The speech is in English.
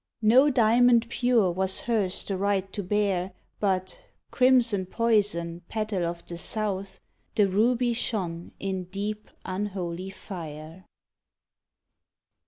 No diamond pure was hers the right to bear, But crimson poison petal of the South The ruby shone in deep unholy fire.